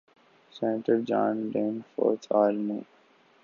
senator John Dean fourth آر مو